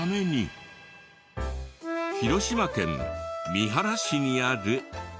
広島県三原市にある。